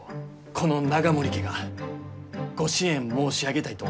この永守家がご支援申し上げたいと思っています。